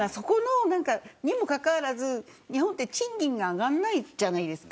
にもかかわらず、日本って賃金が上がらないじゃないですか。